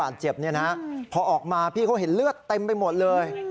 แล้วก็เขาเอาออกมาพี่เขาเห็นเลือดเต็มไปหมดเลย